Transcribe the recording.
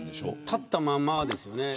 立ったままですよね。